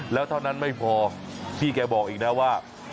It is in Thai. แล้วเท่านั้นไม่พอพี่แกบอกอีกนะว่า